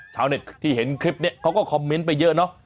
ชาวเน็ตที่เห็นคลิปนี้เขาก็คอมเมนต์ไปเยอะเนอะ